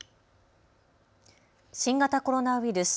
新型コロナウイルス。